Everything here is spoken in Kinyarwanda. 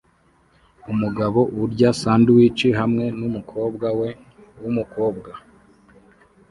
Umugabo urya sandwich hamwe numukobwa we wumukobwa